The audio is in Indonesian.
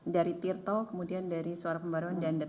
dari tirto kemudian dari suara pembaruan dan detik